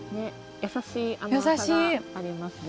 優しい甘さがありますね。